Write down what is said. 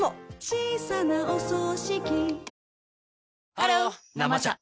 ハロー「生茶」